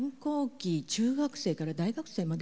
中学生から大学生まで。